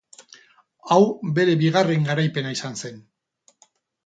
Hau bere bigarren garaipena izan zen.